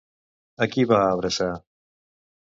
A qui va abraçar?